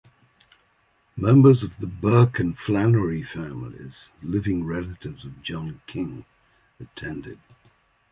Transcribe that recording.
Members of the Burke and Flannery families, living relatives of John King attended.